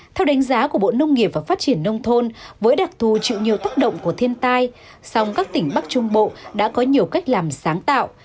theo đánh giá của bộ nông nghiệp và phát triển nông thôn với đặc thù chịu nhiều tác động của thiên tai song các tỉnh bắc trung bộ đã có nhiều cách làm sáng tạo